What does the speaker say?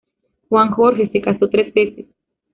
Juan Jorge se casó tres veces.